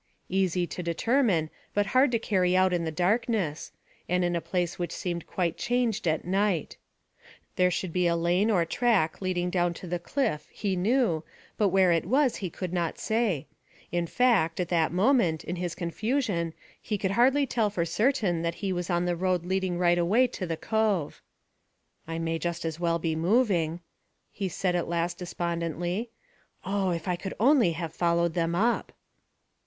Easy to determine, but hard to carry out in the darkness, and in a place which seemed quite changed at night. There should be a lane or track leading down to the cliff he knew, but where it was he could not say; in fact, at that moment, in his confusion, he could hardly tell for certain that he was on the road leading right away to the cove. "I may just as well be moving," he said at last despondently. "Oh, if I could only have followed them up!"